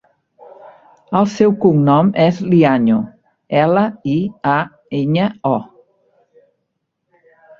El seu cognom és Liaño: ela, i, a, enya, o.